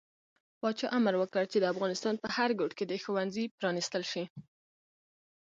پاچا امر وکړ چې د افغانستان په هر ګوټ کې د ښوونځي پرانستل شي.